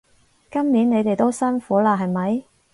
今年你哋都辛苦喇係咪？